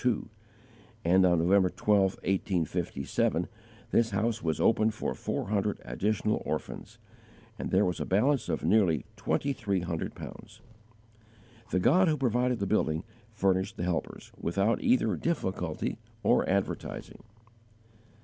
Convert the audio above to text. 2; and on November 12, 1857, this house was opened for four hundred additional orphans, and there was a balance of nearly twenty three hundred pounds. The God who provided the building furnished the helpers, without either difficulty or advertising.